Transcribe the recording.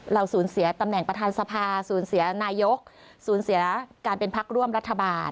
สูญเสียตำแหน่งประธานสภาสูญเสียนายกสูญเสียการเป็นพักร่วมรัฐบาล